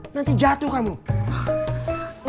nanti jatuh kamu